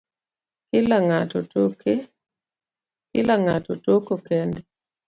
Kila ngato toko kende